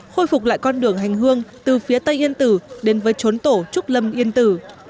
khôi phục lại con đường hành hương từ phía tây yên tử đến với chốn tổ trúc lâm yên tử